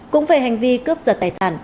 cũng về hành vi cướp giật tài sản